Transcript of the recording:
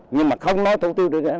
nhưng mà không nói thủ tiêu được